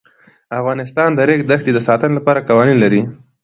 افغانستان د د ریګ دښتې د ساتنې لپاره قوانین لري.